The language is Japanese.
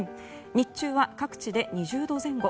日中は各地で２０度前後。